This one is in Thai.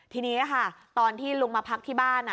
ทีนี้ค่ะตอนที่ลุงมาพักที่บ้าน